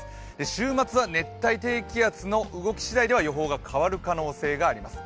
週末は熱帯低気圧の動き次第では予報が変わる可能性があります。